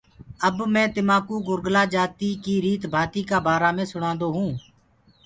اب مي تمآڪوُ گُرگُلآ جآتيٚ ڪي ريت ڀآتيٚ ڪآ بآرآ مي سُڻاندو هونٚ۔